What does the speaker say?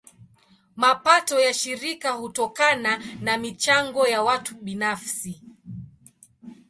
Mapato ya shirika hutokana na michango ya watu binafsi.